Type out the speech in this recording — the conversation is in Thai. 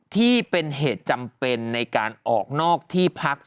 ที่เป็นเหตุจำเป็นในการออกนอกที่พัก